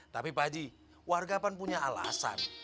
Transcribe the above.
tapi pak haji warga pun punya alasan